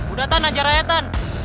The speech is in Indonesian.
udah tan ajar saya tan